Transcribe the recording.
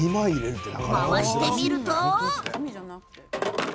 回してみると。